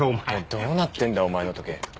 どうなってんだお前の時計。